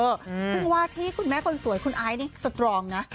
ซึ่งว่าที่คุณแม่คนสวยคุณไอซ์นี่สตรองนะ